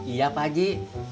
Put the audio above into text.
iya pak ji